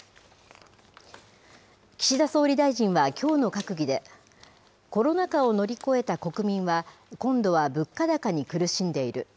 岸田総理大臣はきょうの閣議で、コロナ禍を乗り越えた国民は、今度は物価高に苦しんでいる。